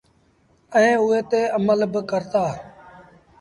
ائيٚݩ اُئي تي امل با ڪرتآ۔